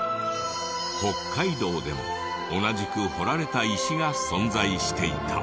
北海道でも同じく彫られた石が存在していた。